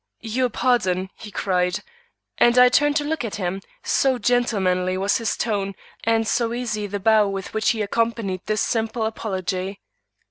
"Your pardon," he cried; and I turned to look at him, so gentlemanly was his tone, and so easy the bow with which he accompanied this simple apology.